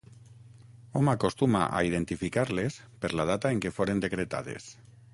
Hom acostuma a identificar-les per la data en què foren decretades.